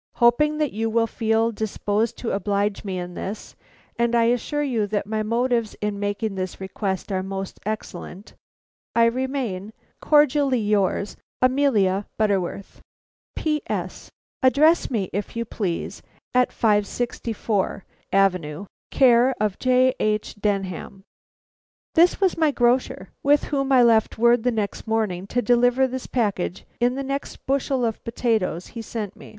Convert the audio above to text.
[C] "Hoping that you will feel disposed to oblige me in this and I assure you that my motives in making this request are most excellent I remain, "Cordially yours, "AMELIA BUTTERWORTH. "P. S. Address me, if you please, at 564 Avenue. Care of J. H. Denham." This was my grocer, with whom I left word the next morning to deliver this package in the next bushel of potatoes he sent me.